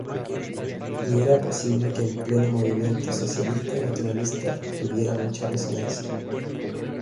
Ni era posible que en pleno movimiento socialista y naturalista tuviera mucha resonancia.